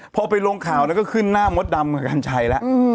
พอไปลงข่าวแล้วก็ขึ้นหน้ามดดำกับกัญชัยแล้ว